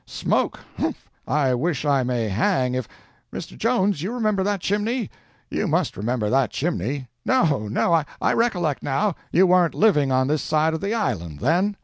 Smoke! Humph! I wish I may hang if—Mr. Jones, you remember that chimney—you must remember that chimney! No, no—I recollect, now, you warn't living on this side of the island then.